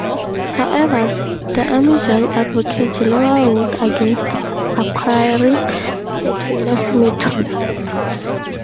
However, the Army judge advocate general ruled against acquiring the Taylor cemetery.